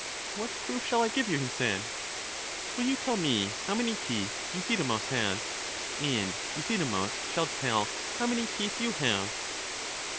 What proof shall I give you? he said. Will you tell me how many teeth Euthydemus has ? and Euthydemus shall tell how many teeth you have.